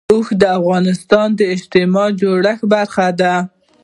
اوښ د افغانستان د اجتماعي جوړښت برخه ده.